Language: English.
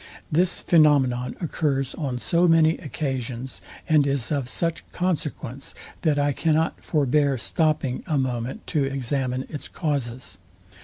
This phænomenon occurs on so many occasions, and is of such consequence, that I cannot forbear stopping a moment to examine its causes.